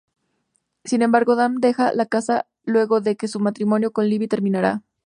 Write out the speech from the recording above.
Sin embargo Dan dejó la casa luego de que su matrimonio con Libby terminara.